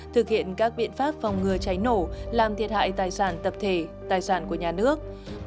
thực hiện các biện pháp phòng ngừa cháy nổ làm thiệt hại tài sản tập thể tài sản của nhà nước